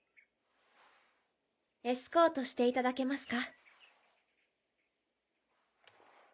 エスコートしていただけますか？